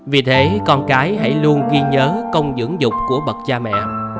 vì thế con cái hãy luôn ghi nhớ công dưỡng dục của bậc cha mẹ